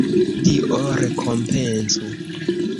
Dio rekompencu!